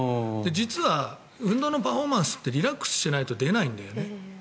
実は運動のパフォーマンスってリラックスしてないと出ないんだよね。